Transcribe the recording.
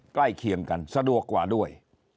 เคียงกันสะดวกกว่าด้วย